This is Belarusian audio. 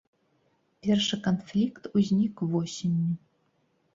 Першы канфлікт узнік восенню.